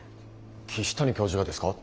岸谷教授がですか？